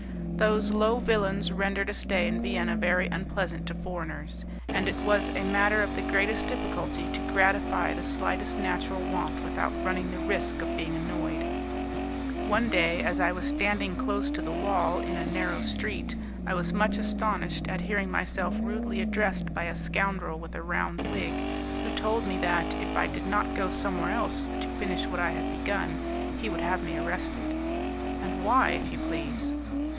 Those low villains rendered a stay in Vienna very unpleasant to foreigners, and it was a matter of the greatest difficulty to gratify the slightest natural want without running the risk of being annoyed. One day as I was standing close to the wall in a narrow street, I was much astonished at hearing myself rudely addressed by a scoundrel with a round wig, who told me that, if I did not go somewhere else to finish what I had begun, he would have me arrested! "And why, if you please?"